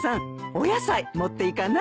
お野菜持っていかない？